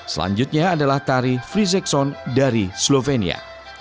selanjutnya adalah tari frizexon dari slovenia